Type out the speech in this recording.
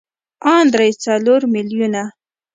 ان درې څلور ميليونه.